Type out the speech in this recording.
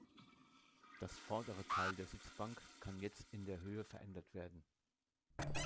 Das vordere Teil der Sitzbank kann jetzt in der Höhe verändert werden.